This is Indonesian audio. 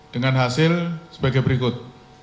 dengan hasil sebagai berikut